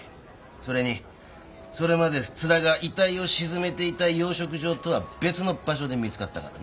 それにそれまで津田が遺体を沈めていた養殖場とは別の場所で見つかったからな。